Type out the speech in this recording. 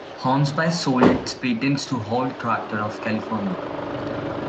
Hornsby sold its patents to Holt Tractor of California.